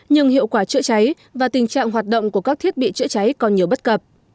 nhưng hiệu quả chữa cháy và tình trạng hoạt động của các thiết bị chữa cháy còn nhiều bất cập